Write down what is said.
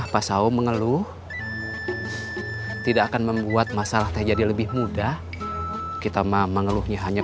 pak saung mengeluh tidak akan membuat masalah teh jadi lebih mudah kita mengeluhnya hanya